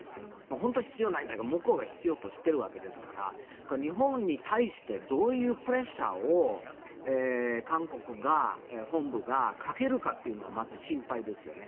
本当は必要ないんだけど向こうが必要としてるわけですから日本に対してどういうプレッシャーを韓国の本部がかけるかというのがまた心配ですよね。